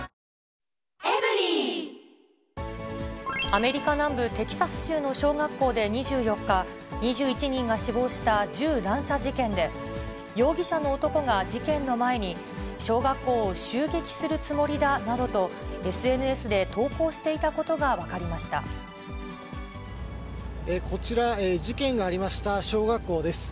アメリカ南部テキサス州の小学校で２４日、２１人が死亡した銃乱射事件で、容疑者の男が事件の前に、小学校を襲撃するつもりだなどと、ＳＮＳで投稿していたことが分かこちら、事件がありました小学校です。